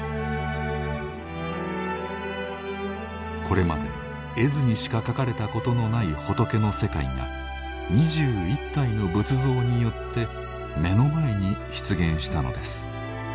これまで絵図にしか描かれたことのない仏の世界が２１体の仏像によって目の前に出現したのです。